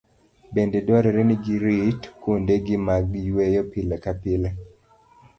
Bende dwarore ni girit kuondegi mag yweyo pile ka pile.